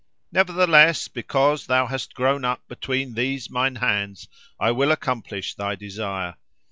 Nevertheless, because thou hast grown up between these mine hands, I will accomplish thy desire."